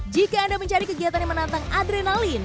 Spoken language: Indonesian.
jika anda mencari kegiatan yang menantang adrenalin